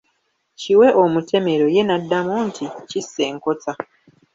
Kiwe omutemero, ye n'addamu nti, kisse enkota.